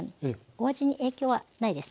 お味に影響はないです。